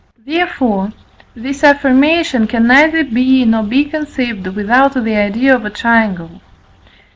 Therefore, this affirmation can neither be nor be conceived, without the idea of a triangle.